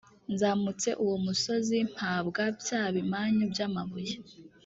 nzamutse uwo musozi mpabwa bya bimanyu by’amabuye,